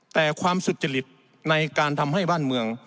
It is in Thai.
แต่ความสุจริตในการทำให้บ้านเมือง